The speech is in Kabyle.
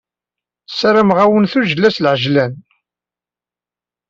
Ssarameɣ-awen tujjya s lɛejlan.